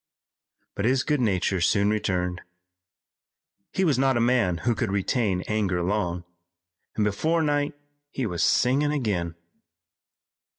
But his good nature soon returned. He was not a man who could retain anger long, and before night he was singing again.